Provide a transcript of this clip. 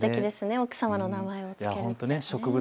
奥様の名前を付けてね。